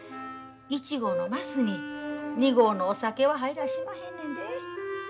１合の升に２合のお酒は入らしまへんねんで。